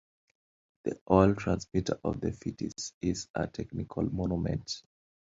The old transmitter of the fifties is a technical monument.